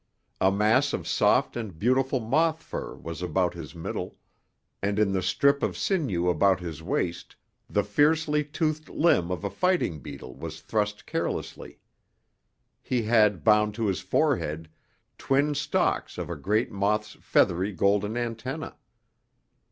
A mass of soft and beautiful moth fur was about his middle, and in the strip of sinew about his waist the fiercely toothed limb of a fighting beetle was thrust carelessly. He had bound to his forehead twin stalks of a great moth's feathery golden antennae.